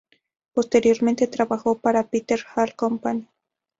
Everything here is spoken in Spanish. Posteriormente trabajó para la Peter Hall Company.